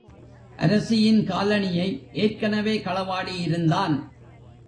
அரசியின் காலணியை ஏற்கனவே களவாடி இருந் தான்.